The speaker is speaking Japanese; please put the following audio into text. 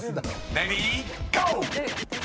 ［レディーゴー！］